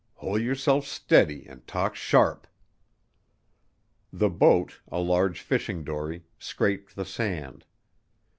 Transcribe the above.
Hol' yerself steady and talk sharp." The boat, a large fishing dory, scraped the sand.